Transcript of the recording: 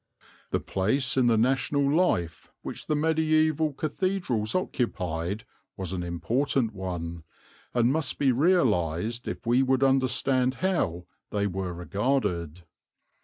"The place in the national life which the mediæval cathedrals occupied was an important one, and must be realized if we would understand how they were regarded.